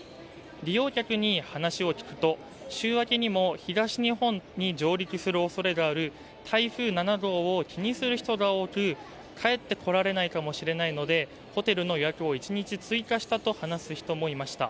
利用客に話を聞くと週明けにも東日本に上陸するおそれがある台風７号を気にする人が多く、帰ってこられないかもしれないのでホテルの予約を１日追加したと話す人もいました。